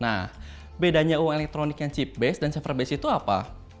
nah bedanya uang elektronik yang chip base dan severbase itu apa